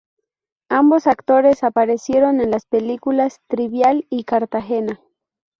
Ambos actores aparecieron en las películas "Trivial" y "Cartagena".